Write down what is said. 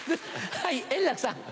はい円楽さん。